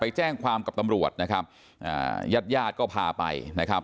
ไปแจ้งความกับตำรวจนะครับยาดก็พาไปนะครับ